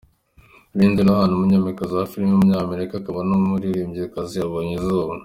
Lindsay Lohan, umukinnyikazi wa filime w’umunyamerika akaba n’umuririmbyikazi yabonye izuba.